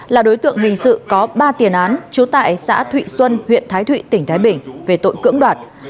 là đối tượng hình sự có ba tiền án trú tại xã thụy xuân huyện thái thụy tỉnh thái bình về tội cưỡng đoạt